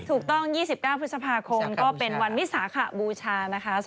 ถูกต้อง๒๙พฤษภาคมก็เป็นวันวิสาขบูชานะคะ